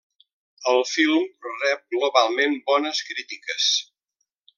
El film rep globalment bones crítiques.